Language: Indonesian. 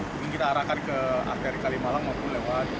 mungkin kita arahkan ke akdari kalimalang maupun lewat sekarang